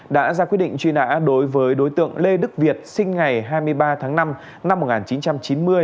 đã ra quyết định truy nã đối với đối tượng lê đức việt sinh ngày hai mươi ba tháng năm năm một nghìn chín trăm chín mươi